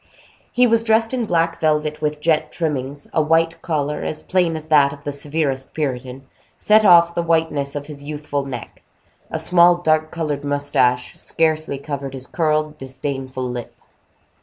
He was dressed in black velvet with jet trimmings; a white collar, as plain as that of the severest Puritan, set off the whiteness of his youthful neck; a small dark colored mustache scarcely covered his curled, disdainful lip.